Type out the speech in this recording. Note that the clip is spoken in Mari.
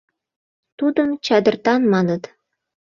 Тудым «чадыртан» маныт.